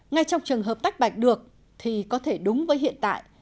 ngay trong trường hợp tách bạch được thì có thể đúng với hiện tại